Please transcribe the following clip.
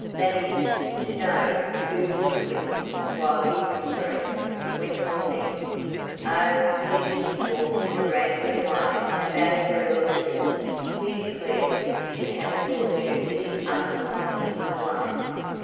That is, to know who was with him while he was free?" went on Ned. "Oh, he just talks in a rambling way about a girl who, he declares, should have a fortune that his uncle has hidden away.